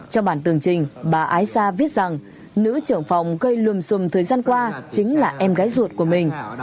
trong bản tường trình bà ái sa viết rằng nữ trưởng phòng gây luồm xùm thời gian qua chính là em gái ruột của mình